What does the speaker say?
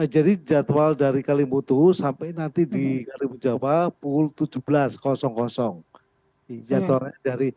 jadi jadwal dari kalimantan jawa sampai nanti di kalimantan jawa pukul tujuh belas